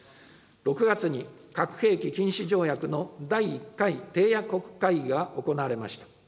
６月に核兵器禁止条約の第１回締約国会議が行われました。